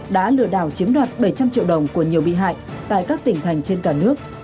đã lừa đảo chiếm đoạt bảy trăm linh triệu đồng của nhiều bị hại tại các tỉnh thành trên cả nước